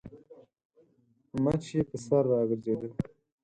مچ يې پر سر راګرځېده.